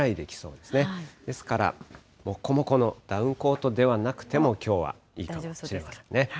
ですからもこもこのダウンコートではなくても、きょうはいいかもしれませんね。